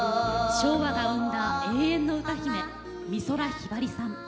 昭和が生んだ永遠の歌姫美空ひばりさん。